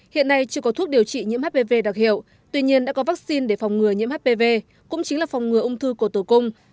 hiện nay chưa có thuốc điều trị nhiễm hpv đặc hiệu tuy nhiên đã có vaccine để phòng ngừa nhiễm hpv cũng chính là phòng ngừa ung thư cổ tử cung